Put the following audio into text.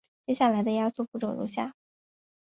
接下来的压缩步骤如下。